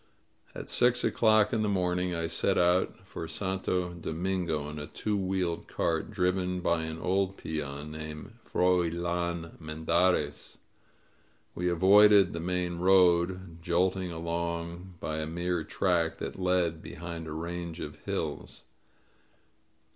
At six o'clock in the morning I set out for Santo Domingo in a two wheeled cart driven by an old peon named Froilan Mendarez. We avoided the main road, jolting along by a mere track that led behind a range of hills.